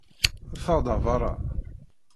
Ffeɣ-d ar beṛṛa!